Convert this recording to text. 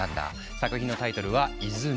作品のタイトルは「泉」。